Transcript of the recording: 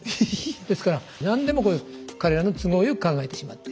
ですから何でも彼らの都合よく考えてしまって。